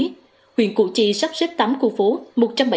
tp thủ đức sắp xếp bảy khu phố